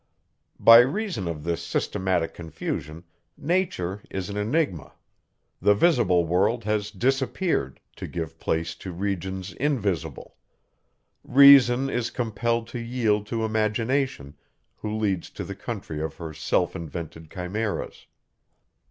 By reason of this systematic confusion, nature is an enigma; the visible world has disappeared, to give place to regions invisible; reason is compelled to yield to imagination, who leads to the country of her self invented chimeras.